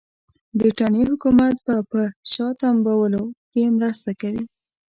برټانیې حکومت به په شا تمبولو کې مرسته کوي.